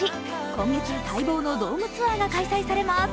今月、待望のドームツアーが開催されます。